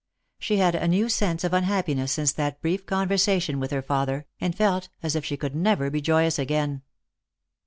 She had a new sense of unhappiness since that brief conversation with her father, and felt as if she could never be joyous again.